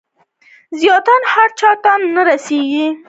زیتون هر چاته نه رسیږي.